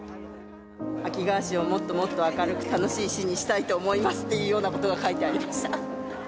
秋川市をもっともっと明るく楽しい市にしたいと思いますっていうようなことが書いてありました。